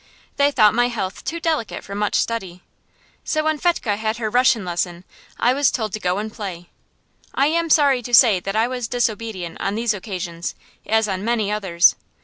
They thought my health too delicate for much study. So when Fetchke had her Russian lesson I was told to go and play. I am sorry to say that I was disobedient on these occasions, as on many others.